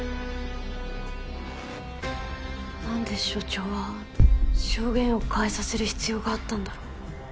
何で所長は証言を変えさせる必要があったんだろう。